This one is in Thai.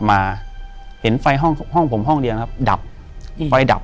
อยู่ที่แม่ศรีวิรัยิลครับ